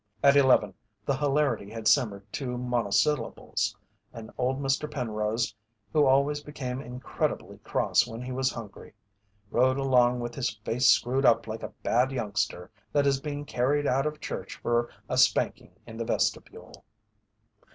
At eleven the hilarity had simmered to monosyllables, and old Mr. Penrose, who always became incredibly cross when he was hungry, rode along with his face screwed up like a bad youngster that is being carried out of church for a spanking in the vestibule.